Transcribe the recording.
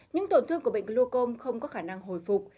những tổn thương của bệnh glucom không có khả năng hồi phục